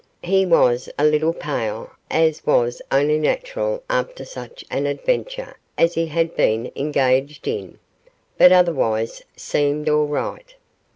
He was a little pale, as was only natural after such an adventure as he had been engaged in, but otherwise seemed all right.